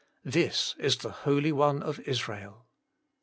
This is the Holy One of Israel.